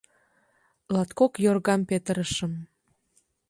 Латкок йоргам петырышым.